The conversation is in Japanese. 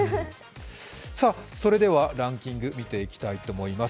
それではランキング見ていきたいと思います。